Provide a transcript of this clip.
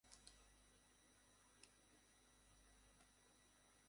রাম্যায়া, ওকে মারিস না।